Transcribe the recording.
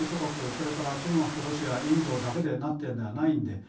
それから中国ロシアインドだけで成っているのではないので。